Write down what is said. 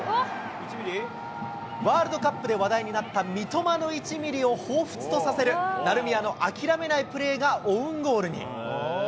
ワールドカップで話題になった三笘の１ミリをほうふつとさせる、成宮の諦めないプレーがオウンゴールに。